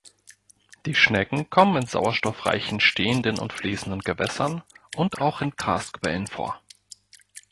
Die Schnecken kommen in sauerstoffreichen stehenden und fließenden Gewässern und auch in Karstquellen vor.